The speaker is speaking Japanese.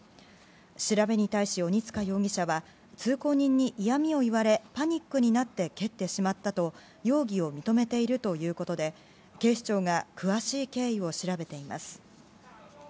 調べに対し鬼束容疑者は通行人に嫌味を言われパニックになって蹴ってしまったと容疑を認めているということで警視庁が詳しい経緯を調べています。